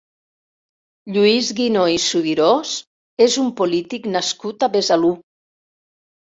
Lluís Guinó i Subirós és un polític nascut a Besalú.